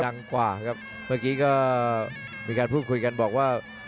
กว่าครับเมื่อกี้ก็มีการพูดคุยกันบอกว่า